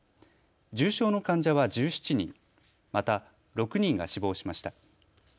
重症の患者は１７人、また６人が死亡しました。